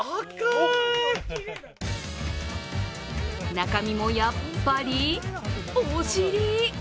中身もやっぱり、おしり。